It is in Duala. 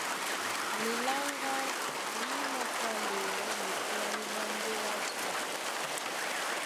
Miláŋgá mí mākwáleyɛɛ́ ɓekwálí ɓá mbóa ásū.